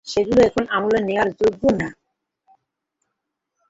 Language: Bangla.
সেগুলো এখন আমলের নেওয়ারও যোগ্য না!